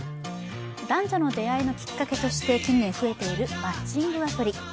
男女の出会いのきっかけとして近年増えているマッチングアプリ。